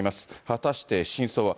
果たして真相は。